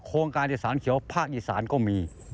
โครงการอีสานเขียวภาคอีสานก็มี